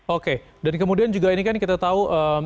oke dan kemudian juga ini kan kita tahu